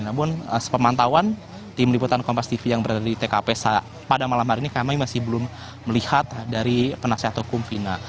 namun sepemantauan tim liputan kompas tv yang berada di tkp pada malam hari ini kami masih belum melihat dari penasihat hukum fina